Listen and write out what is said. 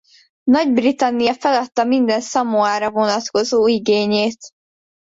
Nagy-Britannia feladta minden Szamoára vonatkozó igényét.